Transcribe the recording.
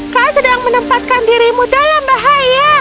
kau sedang menempatkan dirimu dalam bahaya